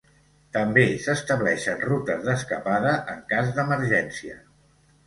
També s'estableixen rutes d'escapada en cas d'emergència.